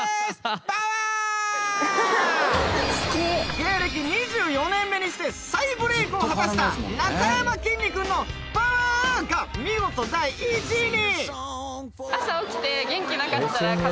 芸歴２４年目にして再ブレイクを果たしたなかやまきんに君の「パワー」が見事第１位に。